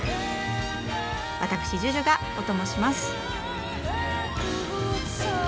わたくしＪＵＪＵがオトモします。